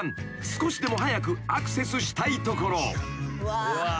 少しでも早くアクセスしたいところ］